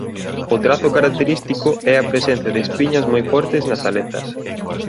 O trazo característico é a presenza de espiñas moi fortes nas aletas.